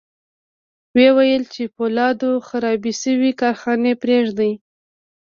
ويې ویل چې د پولادو خرابې شوې کارخانې پرېږدي